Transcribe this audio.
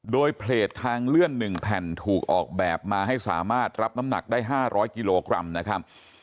โดยเพจทางเลื่อน๑แผ่นถูกออกแบบมาให้สามารถรับน้ำหนักได้๕๐๐กิโลกรัมนะครับ